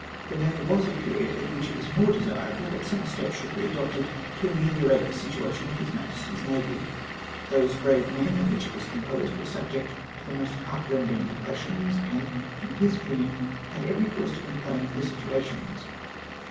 There never was a period at which it was more desirable that some steps should be adopted to ameliorate the situation of His Majesty's navy. Those brave men of which it was com posed were subject to the most heartrending oppressions ; and, in his opinion, had every cause to complain of then situations.